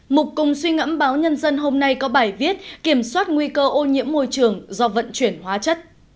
mục cùng suy ngẫm báo nhân dân hôm nay có bài viết kiểm soát nguy cơ ô nhiễm môi trường do vận chuyển hóa chất